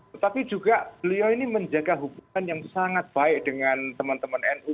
tetapi juga beliau ini menjaga hubungan yang sangat baik dengan teman teman nu